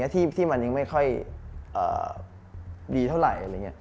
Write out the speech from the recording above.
ที่มันยังไม่ค่อยดีเท่าไหร่